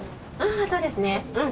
そうですね。